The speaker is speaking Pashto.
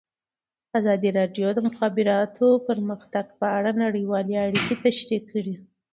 ازادي راډیو د د مخابراتو پرمختګ په اړه نړیوالې اړیکې تشریح کړي.